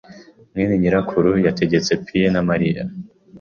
mwene nyirakuru yategetse pie na Mariya.